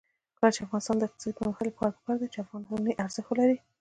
د افغانستان د اقتصادي پرمختګ لپاره پکار ده چې افغانۍ ارزښت ولري.